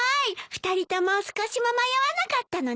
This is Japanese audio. ２人とも少しも迷わなかったのね。